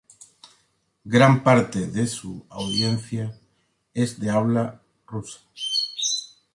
Gran parte de su audiencia es de habla rusa.